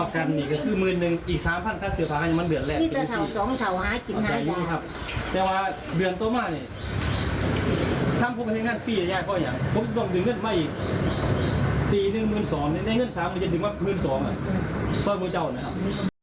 ตี๑เงิน๒ในเงิน๓มันจะถึงมากกว่าเงิน๒ซ่อนบนเจ้าหน่อยครับ